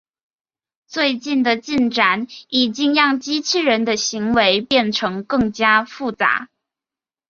最近的进展已经让机器人的行为变成更加复杂。